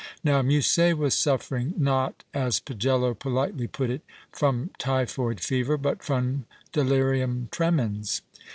Now Musset was suffering, not, as Pagello politely put it, from typhoid fever, but from delirium tremens.